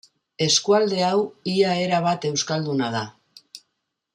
Eskualde hau ia erabat euskalduna da.